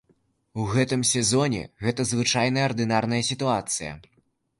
У гэтым сезоне гэта звычайная ардынарная сітуацыя.